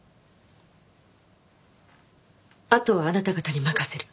あとはあなた方に任せる。